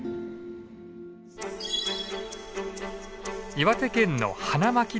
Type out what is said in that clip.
岩手県の花巻電鉄。